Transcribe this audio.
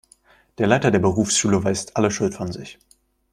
Der Leiter der Berufsschule weist alle Schuld von sich.